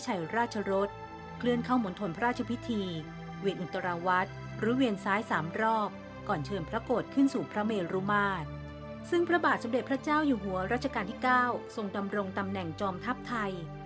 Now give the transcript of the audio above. หัวราชการที่๙ทรงดำรงตำแหน่งจอมทัพไทย